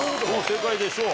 正解でしょう。